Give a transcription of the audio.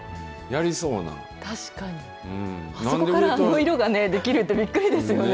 あそこからあの色ができるってびっくりしますよね。